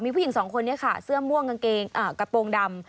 ผู้หญิงสองคนนี้ค่ะเสื้อม่วงกางเกงกระโปรงดำ